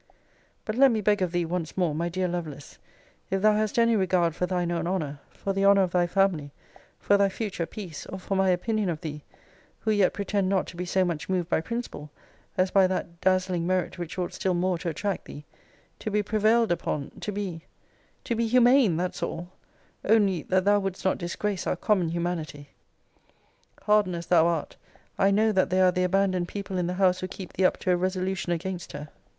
But let me beg of thee, once more, my dear Lovelace, if thou hast any regard for thine own honour, for the honour of thy family, for thy future peace, or for my opinion of thee, (who yet pretend not to be so much moved by principle, as by that dazzling merit which ought still more to attract thee,) to be prevailed upon to be to be humane, that's all only, that thou wouldst not disgrace our common humanity! Hardened as thou art, I know that they are the abandoned people in the house who keep thee up to a resolution against her.